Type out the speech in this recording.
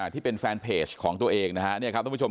ที่เป็นแฟนเพจของตัวเองนะฮะเนี่ยครับท่านผู้ชม